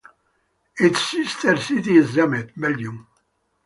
Its sister city is Jumet, Belgium.